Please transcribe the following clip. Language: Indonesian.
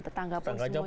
tetangga pun semuanya tahu